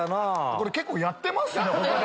これ結構やってますね。